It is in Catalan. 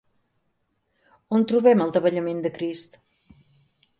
On trobem el davallament de Crist?